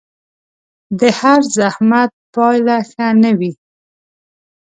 د هر زحمت پايله ښه نه وي